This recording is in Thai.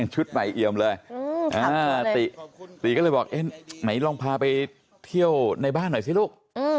ชุดใหม่เอี่ยมเลยติก็เลยบอกเอ๊ะไหนลองพาไปเที่ยวในบ้านหน่อยสิลูก